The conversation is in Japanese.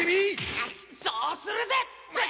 あっそうするぜっ！てぇ！